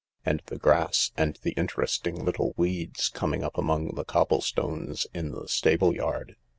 And the grass and the interesting little weeds coming up among the cobble stones in the stable yard